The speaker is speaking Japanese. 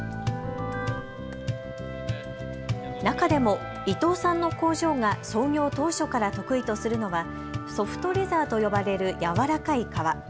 中でも伊藤さんの工場が創業当初から得意とするのはソフトレザーと呼ばれる柔らかい革。